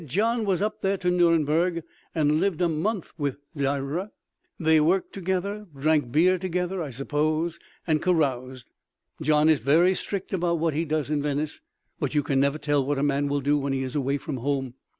Gian was up there to Nuremberg and lived a month with Durer—they worked together, drank beer together, I suppose, and caroused. Gian is very strict about what he does in Venice, but you can never tell what a man will do when he is away from home.